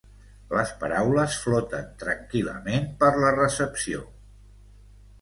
Les paraules floten tranquil.lament per la recepció.